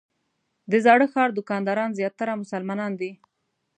د زاړه ښار دوکانداران زیاتره مسلمانان دي.